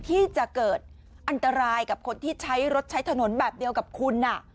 ที่จะเกิดอันตรายกับคนที่ใช้รถใช้ถนนแบบเดียวกับคุณ